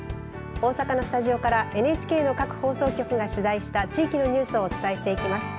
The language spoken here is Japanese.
大阪のスタジオからＮＨＫの各放送局が取材した地域のニュースをお伝えします。